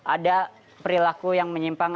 ada perilaku yang menyimpang